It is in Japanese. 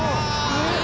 えっ？